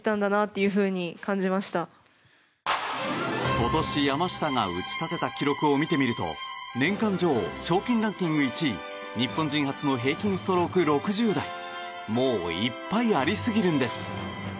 今年、山下が打ち立てた記録を見てみると年間女王、賞金ランキング１位日本人初の平均ストローク６０台もう、いっぱいありすぎるんです。